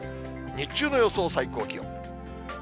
日中の予想最高気温。